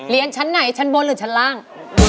ชั้นไหนชั้นบนหรือชั้นล่าง